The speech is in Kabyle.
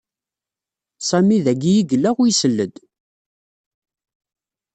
Sami d-ayi i yella u isel-d.